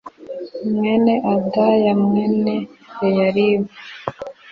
mwene adaya mwene yoyaribu